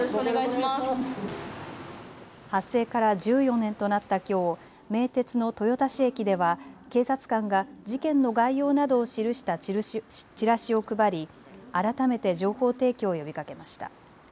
発生から１４年となったきょう、名鉄の豊田市駅では警察官が事件の概要などを記したチラシを配り改めて情報提供を呼びかけました。